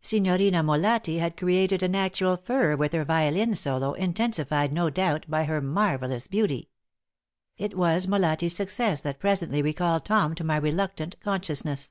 Signorina Molatti had created an actual furor with her violin solo, intensified, no doubt, by her marvelous beauty. It was Molatti's success that presently recalled Tom to my reluctant consciousness.